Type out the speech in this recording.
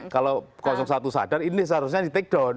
kalau satu sadar ini seharusnya di take down